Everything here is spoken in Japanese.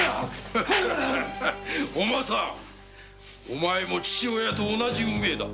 お前も父親と同じ運命だ。